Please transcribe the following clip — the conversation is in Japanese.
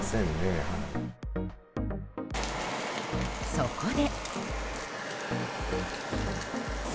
そこで。